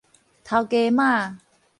頭家媽